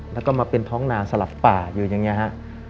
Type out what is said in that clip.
แล้วก็มาเป็นท้องนาสลับป่าอยู่อย่างนี้ฮะ